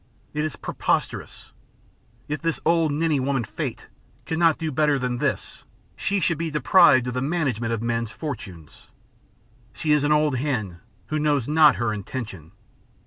It is preposterous. If this old ninny woman, Fate, cannot do better than this, she should be deprived of the management of men's fortunes. She is an old hen who knows not her intention.